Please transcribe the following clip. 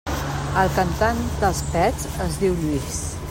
El cantant dels Pets es diu Lluís.